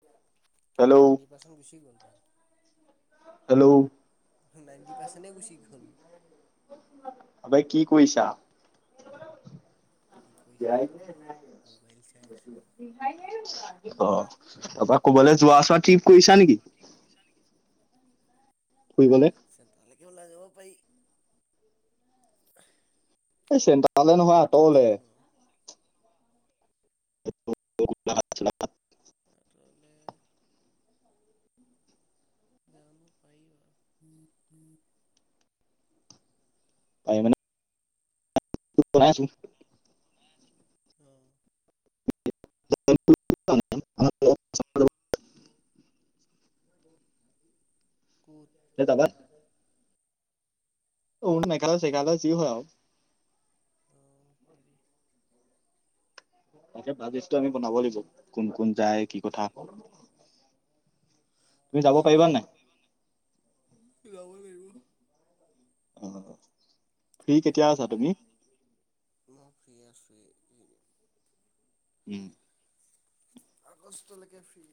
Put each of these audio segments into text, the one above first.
উ [unintelligible] কেলা ninety percent গুচি গ'ল ভাল হেল্ল' নাইনটি পাৰ্চেণ্টে গুছি গ'ল অবে কি কৰিছা কি [unintelligible] কৰিছা মানে মোবাইল চাই আছোঁ অ তাৰ পৰাৰা ক'বলৈ যোৱাছোৱা কি কৰিছা নেকি ফুৰিবলে? চ তাললে কি ওলা যাব ব চেন্তা তালে নহয় আঁতলে চ [unintelligible] আঁতৰলে যাম পাৰিবা পাৰিবা নে [unintelligible] অহ [unintelligible] কুত সেই তাবাৰ শ ন নাইকাল চেকাাল য হয় আৰু অ পাৰি [unintelligible] তাকে বাজিছটো আমি বনাব লাগিব কোন কোন যায় অঁ কি কথা আকৌ তুমি যাব পাৰিবা নাই যাব লাগাৰিব অ হব ফি কেতিয়া আছা তুমি ফ্ৰ্ৰী আছো উম আগষ্টলৈকে ফ্ৰী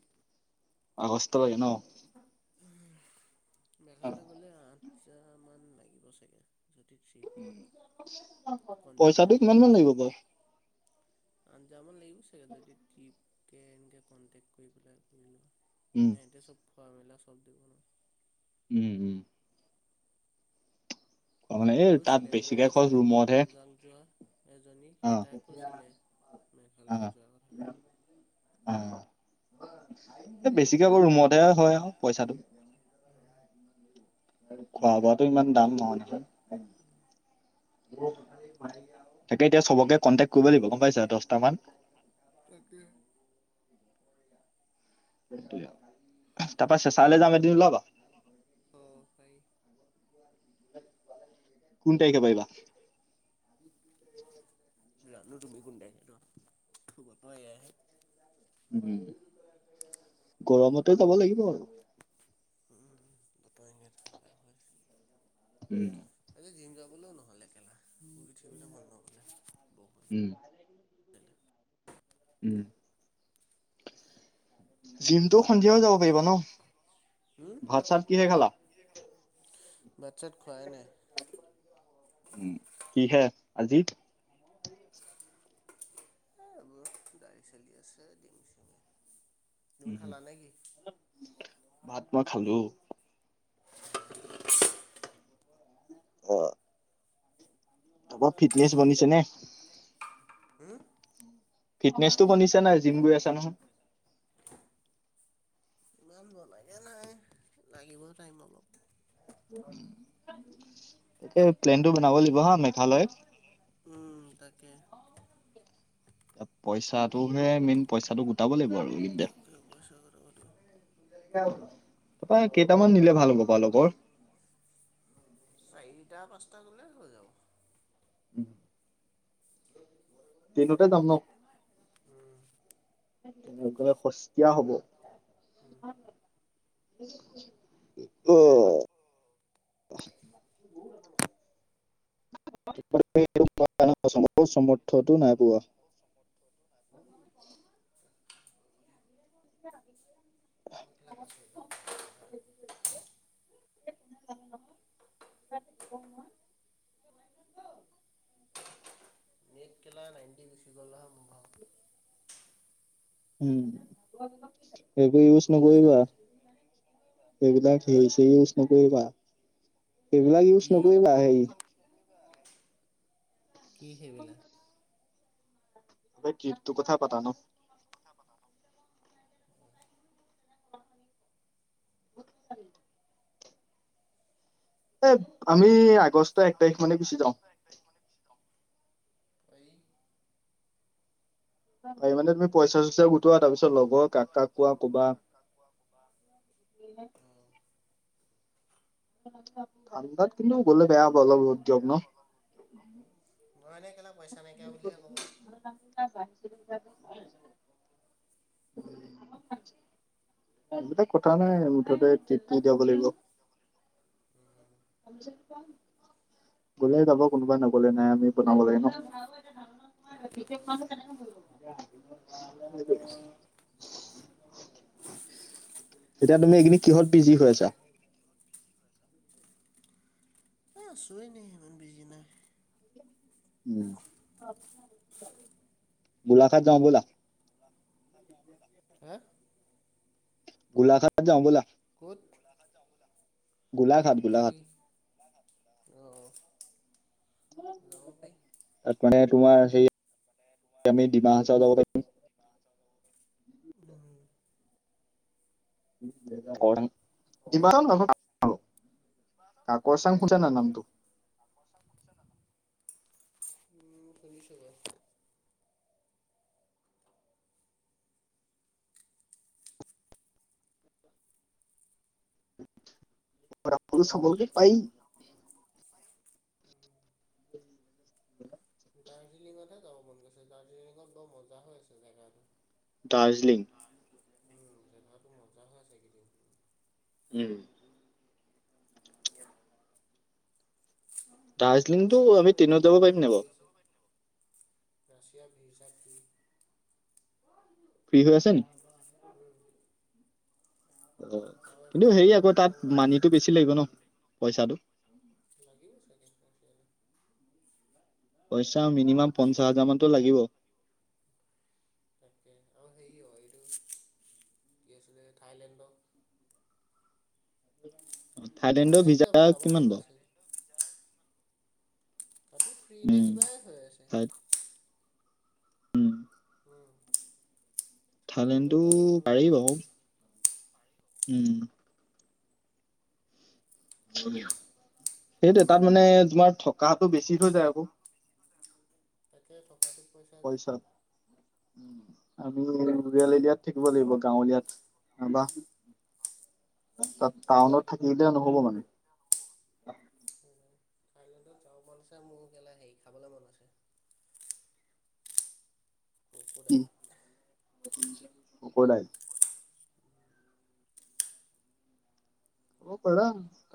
আগস্ত লেকে নহ মেঘালয়ৰ গ'লে আন চয়মাহমান লাগিব চাগে যদি ট্ৰিপত কণ্টেক্ট পইচাটো কিমান মান লাগিব আঠজা মান লাগিব। চিয়ৰ যদি টিপ তে এনেকে কণ্টেকট কৰি পেলাই কৰিলো। উম হ এতিয়া চব খোৱা মেলা [unintelligible] উম উম মানে এই তাত কৈছিলে এজনী বেছিকে খৰচ আছিলে আমি ৰুমতহে তুমজং যোৱা- এজনী অ সী তাকে কৈছিলে অ মেঘালয় যোৱা কথা- এ বেছিকে কৰো ৰুমত। তাতে হয় আৰু পইচাটো- অ। খোৱা বোৱাটো ইমান দাম নহয় নহ- তাকে এতিয়া চবকে কন্টেক্ট কৰিব লাগিব গম পাইছা দহটা মান- তাকে [unintelligible] তাৰপা চেচাৰলৈ যাম এদিন উলাব অ' পাৰি। কোন তাৰিখে পাৰিবা জানো তুমি কোন তাৰিখে পায়ো এয়ে উম গৰমতে যাব লাগিব আৰু উ দটামে ঠাণ্ডা হৈ উম আজি জিম যাবলৈও নহ'লেেলা পুৰি থৰিবলৈ মন নকলে উম উম জিম তো সন্ধিয়াও যাব পাৰিবা ন উম ভাত চাত কিহে খালা ভাত-চাত খুৱাই নাই উ কি হে আজি - এই এইবোৰ দাড়িল-চাইল চলি আছে ডমিচিঙে- ও খালা নেকি? ভাত মই খালো। [unintelligible] অঁ! ত ফিটনেচ বনিছে নে উম। ফিটনেচটো বনিছো নাই জিম গৈ আছা নহয়- ইমান বনাগে নাই লাগিব টাইম অলপ- তাকে প্লেনটো বনাব লাগিব হা মেঘালয়ত উম তাকে পইচাটো হে মেইন পইচাটো গোটাব লাগিব আৰু দে- [unintelligible] তাৰপৰা কেইটামান নিলে ভাল হ'ব পাৰ লগৰ- চাৰিটা পাঁচটা গলে হৈ যাব [inaudible] তিনিটাই দাম ন [unintelligible] উম সেই কিটা সস্তীয়া হব উম। উ [unintelligible] অঁ [unintelligible] সৰ্থটো নাই পোৱা [unintelligible] [inaudible] বিলাক আছ একদম [inaudible] মেট কেলা নাইনটি গুচি গ'ল হা মোৰ ভও [unintelligible] উম। সেইবোৰ ইউজ গম পাইছা নকৰিবা নাই? এইবিলাক হা সেই ইউজ নকৰিবা সেইবিলাক ইউজ কি নকৰিবা সেই কি সেইবিলাক এই কি টো কথা পাতা ন? [inaudible] এ আমি আগষ্ট এক তাৰিখ মানে গুচি যাওঁ। প [inaudible] এই মানে তুমি পইচা চব গোটোৱা তাৰ পিছত লগৰ কাক কাক কোৱা কবা ঠাণ্ডাত কিন্তু গলে বেয়া হ'ব অলপত ৰ'দ দিয়ক ন। মই এনে কেলা পইচা নাইকিয়া বুলিহে ক'ব। [inaudible] এইবিলাক কথা নাই মুঠতে টি দিয়াব লাগিব, গলে যাব। কোনোবাই নগলে নাই আমি বনাব লাগে ন। তাকে হ'ব। এতিয়া তুমি এইখিনি কিহত বিজি হৈ আছা। অ আছো এনেই, ইমান বিজি নাই। উম, গোলাঘাত যাওঁ ব'লা। হা? গোলাঘাট যাওঁ বোলা। কত? গোলাঘাট গোলাঘাট যাব পাৰি অ কনে তোমাৰ সে আমি ডিমা হাচাও ওলাব পাৰিম। উম। কি [unintelligible] কাকচাং ফুঠা ন নামটো? উম কৰিছবা। [inaudible] ো সফলক পাই [unintelligible] দাৰ্জিলিংতহে যাব মন গৈছে, দাৰ্জিলিং বৰ মজা হৈ আছে জেগাটো। দাৰ্জিলিং। উম জেগা মজা হৈ আছে এইকেইদিন। উম। দাৰ্জিলিংতটো ৰাছিয়া আমি হেনো ট্ৰেইনত যাব ভিজা পাৰিম ফ্ৰী নে দি বাৰু? আছে ৰাছিয়া ভিজা [unintelligible] ফ্ৰী হৈ আছে নি হম। অ কিন্তু হেৰি আৰু আকৌ তাত, দুখনমান মানি আছে তো বেছি লাগিব ন, উম, পইচাটো। লাগিব চাগে ৰাছিয়ালে পইচা মিনিমাম পঞ্চাশ হাজাৰ মানতো লাগিবই। তাকে আৰু হেৰি হয়, এইটো কি আছিলে থাইলেণ্ডত। থাইলেণ্ডৰ ভিজা এবাৰ যাব মন কিমান বাৰু? আছিল। ফ্ৰী বাৰু নে উম কিবাই হৈ আছে। থাই উম, থাইলেণ্ডত থাইলেণ্ডটো যাব মনটো পাৰেই আছে বাৰু ৰে। উম। সেইটোোৱে তাত মানে তোমাৰ থকটো বেছি হৈ যায় আকৌ। তাক [unintelligible] পইচা। আমি ইয়াত এ থাকিব লাগিব গাঁৱলীয়াত। তাত টাউনত উম। থাকিলিলে নহব মানে। থাইলেণ্ডত যাাব মন আছে মোৰ ইালা হেৰি খাবলৈ মন আছে [unintelligible] উম। ক্ৰক'ডাইল। ককদাইল। কব পাৰা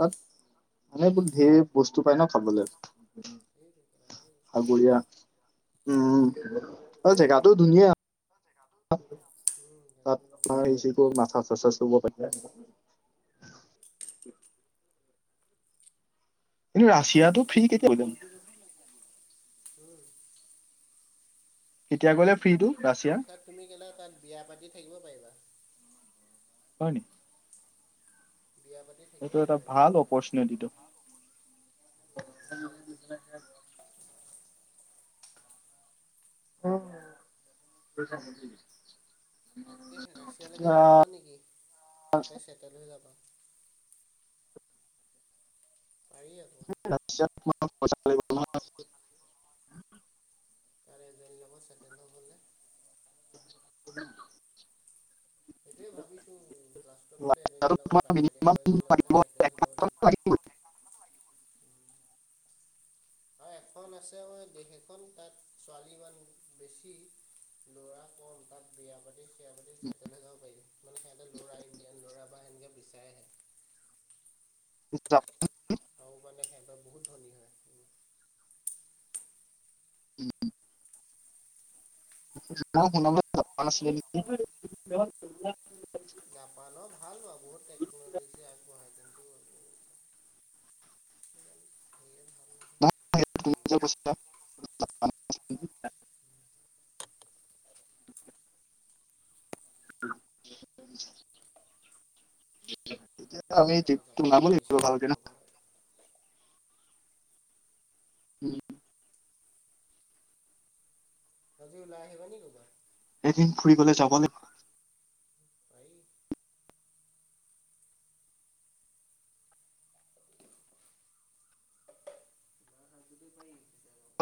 তাত, মানে ধেৰ বস্তু পাই ন খাবলৈ, সেইটোৱে কেলা ধেৰ বস্তু আছে। সাগৰীয়া উম আৰু জেগাটো ধুনীয়া। উম, তাত জেগাটো মজা তোমাৰ আছে। [unintelligible] মাথা চাৰুব পাৰা কিন্তু ৰাছিয়াটো ফ্ৰী কেতিয়া হলে। উম [unintelligible] কেতিয়া গলে ফ্ৰী টো। তাত তুমি গলে তাত বিয়া পাতি থাকিব পাৰিবা। হয় নি? বিয়া পাতি থাকিব এইটো এটা পাৰিবা এতিয়া ভাল তুমি তাত। অপ্ৰচনিতি। উম, ভাল দিছে। অ। তাতকে ৰাছিয়াালৈকে যোৱা নেকি? তাতে চেটেল হৈ যাবা। পাৰি। আকৌ চ [unintelligible] তাৰে জন লাব চাইকেণ্ড হ হলে [unintelligible] উ [unintelligible] সেইটোয়ে ভাবিছো কাত ব এ লগত বাহ দেৱ লগ আৰু এখন আছে মই দেশ এখন তাত ছোৱালী ইমান বেছি লৰা কম তাত বিয়া পাতি চয়া পাতি চেটেল হৈ যাব পাৰি মানে সিহঁতে লৰা ইণ্ডিয়ান লৰা বা সেনেকে বিচাৰে আহে উছ। আৰু মানে সব বহুত ধনী হয় শুনছিলে [unintelligible] গাপানো ভাল ব বহুত টেকন'লজি আগবঢ়াই কিন্তু ব ভাল [unintelligible] [unintelligible] তিয়া আমি নহয় ভাল লাগে বাৰু জাপানৰ গাড়ী নামিব ভাল কি না [unintelligible] চাড়ীবোৰ উম তজি ওলাই আহিবা ন খবৰ এদিন ফুৰিবলে যাব ভাই যোৱা সাজটোতে পাৰি পিছে যাব।